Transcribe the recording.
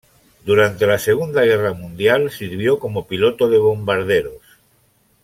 Durante la Segunda Guerra Mundial sirvió como piloto de bombarderos.